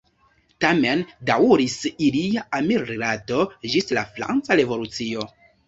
Tamen daŭris ilia amrilato ĝis la franca revolucio.